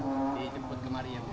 dijemput kemarin ya bu